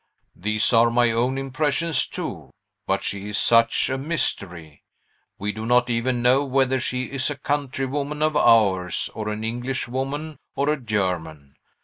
"These are my own impressions, too. But she is such a mystery! We do not even know whether she is a countrywoman of ours, or an Englishwoman, or a German.